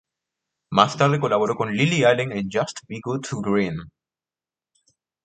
Más tarde colaboró con Lily Allen en "Just Be Good to Green".